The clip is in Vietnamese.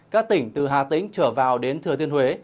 các tỉnh từ hà tĩnh trở vào đến thừa thiên huế